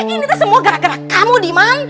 ini tuh semua gara gara kamu diman